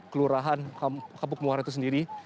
keputusan kebakaran itu sendiri